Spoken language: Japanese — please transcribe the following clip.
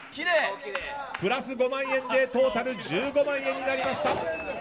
プラス５万円でトータル１５万円になりました。